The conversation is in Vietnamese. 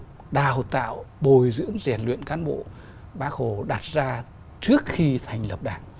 giáo dục đào tạo bồi dưỡng rèn luyện cán bộ bác hồ đặt ra trước khi thành lập đảng